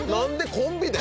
コンビで？